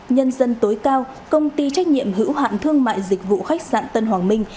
nhân dân tối cao công ty trách nhiệm hữu hạn thương mại dịch vụ khách sạn tân hoàng minh